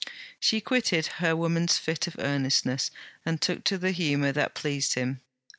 She quitted her woman's fit of earnestness, and took to the humour that pleased him.